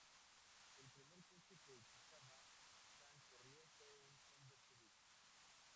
El primer coche que Ichishima-San corrió fue un Honda Civic.